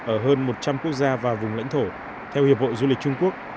ở hơn một trăm linh quốc gia và vùng lãnh thổ theo hiệp hội du lịch trung quốc